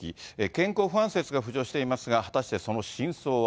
健康不安説が浮上していますが、果たしてその真相は。